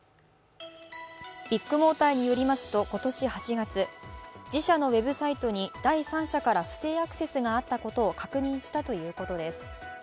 ビッグモーターによりますと、今年８月、自社のウェブサイトに第三者から不正アクセスがあったことを確認したということです。